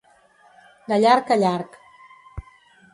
De llarg a llarg.